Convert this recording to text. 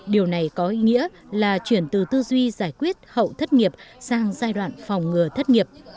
điều này có ý nghĩa là chuyển từ tư duy giải quyết hậu thất nghiệp sang giai đoạn phòng ngừa thất nghiệp